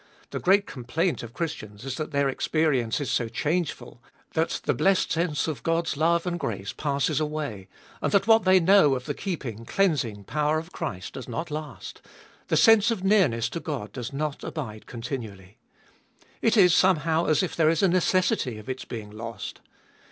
The great complaint of Christians is that their ex perience is so changeful — that the blessed sense of God's love and grace passes away, and that what they know of the keeping, cleansing, power of Christ does not last ; the sense of nearness to God does not abide continually. It is somehow as if there is a necessity of its being lost.